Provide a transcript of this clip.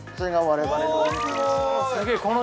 ◆すごい。